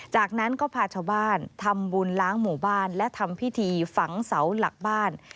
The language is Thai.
จากนั้นก็พาชาวบ้านทำบุญล้างหมู่บ้านและทำพิธีฝังเสาหลักบ้าน